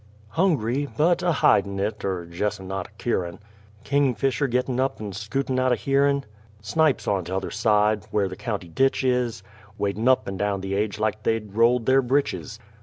Hungry, but a hidin' it, er jes' a not a keerin': Kingfisher gittin' up and skootin' out o' hearin'; Snipes on the t'other side, where the County Ditch is, Wadin' up and down the aidge like they'd rolled their britches!